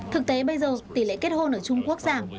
thực tế bây giờ tỷ lệ kết hôn ở trung quốc giảm